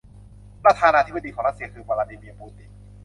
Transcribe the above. ประธานาธิบดีของรัสเซียคือ วลาดีมีร์ ปูติน